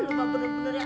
lupa bener bener ya